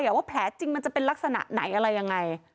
ว่าแผลจริงมันจะเป็นลักษณะไหนอะไรยังไง